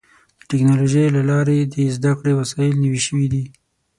د ټکنالوجۍ له لارې د زدهکړې وسایل نوي شوي دي.